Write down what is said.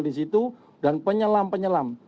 di situ dan penyelam penyelam